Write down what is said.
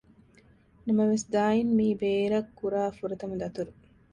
ނަމަވެސް ދާއިން މީ ބޭރަށް ކުރާ ފުރަތަމަ ދަތުރު